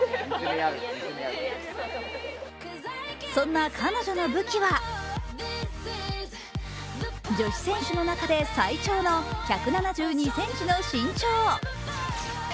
そんな彼女の武器は、女子選手の中で最長の１７２ｃｍの身長。